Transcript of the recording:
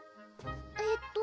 えっと